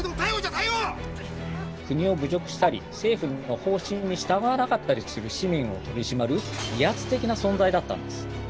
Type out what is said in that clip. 国を侮辱したり政府の方針に従わなかったりする市民を取り締まる威圧的な存在だったんです。